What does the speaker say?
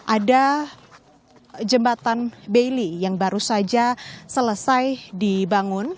ada jembatan baily yang baru saja selesai dibangun